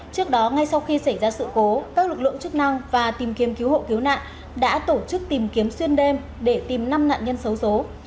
trước đó ngay sau khi xảy ra sự cố các lực lượng chức năng và tìm kiếm cứu hộ cứu nạn đã tổ chức tìm kiếm xuyên đêm để tìm năm nạn nhân xấu xố